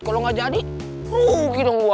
kalo gak jadi rugi dong gua